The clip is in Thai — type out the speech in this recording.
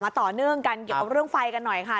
ต่อเนื่องกันเกี่ยวกับเรื่องไฟกันหน่อยค่ะ